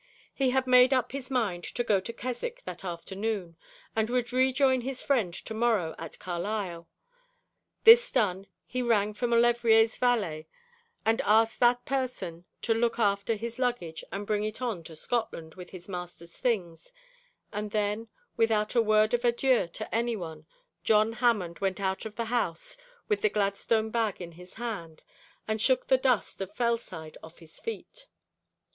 He had made up his mind to go to Keswick that afternoon, and would rejoin his friend to morrow, at Carlisle. This done, he rang for Maulevrier's valet, and asked that person to look after his luggage and bring it on to Scotland with his master's things; and then, without a word of adieu to anyone, John Hammond went out of the house, with the Gladstone bag in his hand, and shook the dust of Fellside off his feet.